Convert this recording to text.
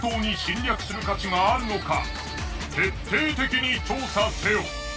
徹底的に調査せよ！